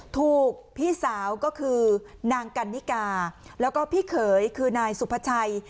ถูกพี่สาวก็คือนางกันนิกาแล้วก็พี่เขยคือนายสุภาชัย